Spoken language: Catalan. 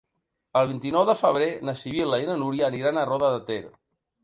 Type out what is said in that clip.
El vint-i-nou de febrer na Sibil·la i na Núria aniran a Roda de Ter.